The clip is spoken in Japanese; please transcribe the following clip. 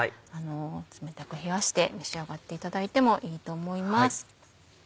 冷たく冷やして召し上がっていただいてもいいと思います。